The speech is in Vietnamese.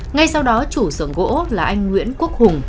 ngay sau đó chủ sưởng gỗ là anh nguyễn quốc hùng